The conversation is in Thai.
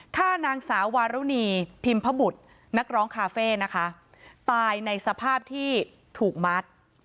ฆ่านางสาววารุณีพิมพบุตรนักร้องคาเฟ่นะคะตายในสภาพที่ถูกมัด